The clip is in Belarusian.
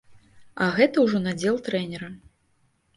А гэта ўжо надзел трэнера.